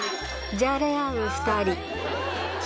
じゃれ合う２人。